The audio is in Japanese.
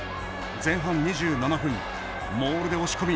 前半２７分、モールで押し込み